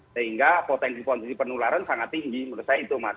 sehingga potensi potensi penularan sangat tinggi menurut saya itu mas